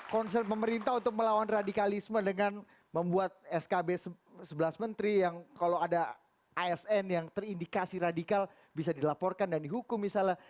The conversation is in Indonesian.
concern pemerintah untuk melawan radikalisme dengan membuat skb sebelas menteri yang kalau ada asn yang terindikasi radikal bisa dilaporkan dan dihukum misalnya